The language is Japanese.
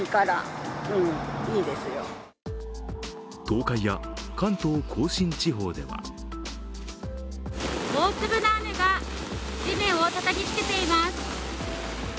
東海や関東甲信地方では大粒の雨が地面をたたきつけています。